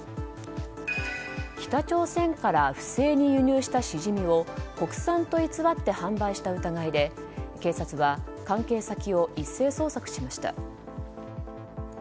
北朝鮮から不正に輸入したシジミを国産と偽って販売した疑いで警察は関係先を一斉捜索しました。